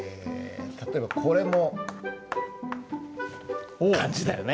例えばこれも漢字だよね。